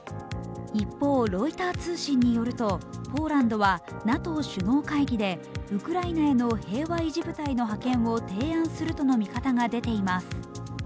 一方、ロイター通信によると、ポーランドはＮＡＴＯ首脳会議で、ウクライナへの平和維持部隊の派遣を提案するとの見方が出ています。